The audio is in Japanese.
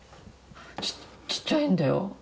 ちちっちゃいんだよ